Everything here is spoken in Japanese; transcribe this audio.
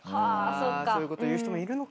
そういう事言う人もいるのか。